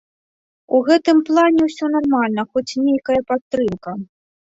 У гэтым плане ўсё нармальна, хоць нейкая падтрымка.